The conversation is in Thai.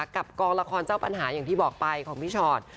กองละครเจ้าปัญหาอย่างที่บอกไปของพี่ชอต